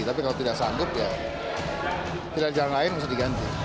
tapi kalau tidak sanggup ya pilihan jalan lain bisa diganti